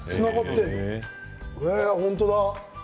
本当だ。